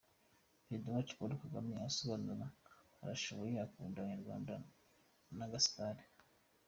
Perezida wacu Paul Kagame arasobanutse ,arashoboye akunda abanyarwanda ntagasitare.